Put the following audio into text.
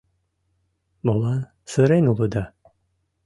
Молан сырен улыда?